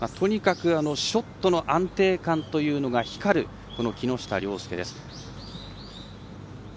ショットの安定感というのが光る木下稜介です。